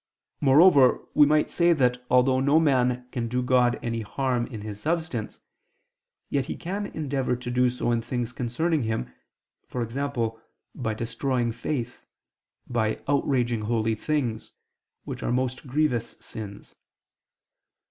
Moreover we might say that although no man can do God any harm in His substance, yet he can endeavor to do so in things concerning Him, e.g. by destroying faith, by outraging holy things, which are most grievous sins.